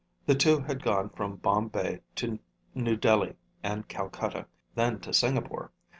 The two had gone from Bombay to New Delhi and Calcutta, then to Singapore.